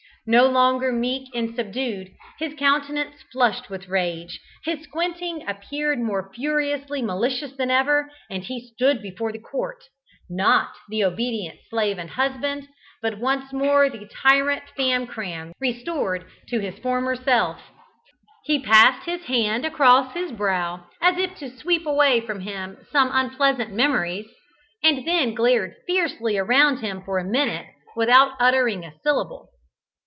No longer meek and subdued, his countenance flushed with rage, his squinting appeared more furiously malicious than ever, and he stood before the Court, not the obedient slave and husband, but once more the tyrant Famcram, restored to his former self. He passed his hand across his brow, as if to sweep away from him some unpleasant memories, and then glared fiercely around him for a minute without uttering a syllable.